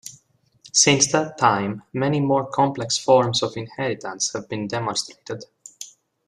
Since that time many more complex forms of inheritance have been demonstrated.